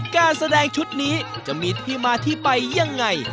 การแสดงชุดนี้จะมีที่มาที่ไปยังไง